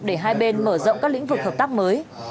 để hai bên mở rộng các lĩnh vực hợp tác mới